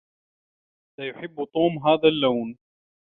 لا يحب توم هذا اللون.